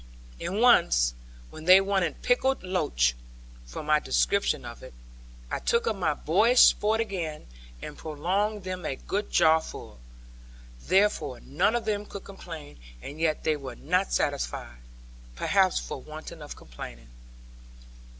And once, when they wanted pickled loach (from my description of it), I took up my boyish sport again, and pronged them a good jarful. Therefore, none of them could complain; and yet they were not satisfied; perhaps for want of complaining.